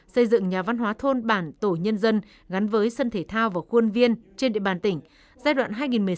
xây dựng nhà văn hóa thôn bản tổ nhân dân gắn với sân thể thao và khuôn viên trên địa bàn tỉnh giai đoạn hai nghìn một mươi sáu hai nghìn một mươi tám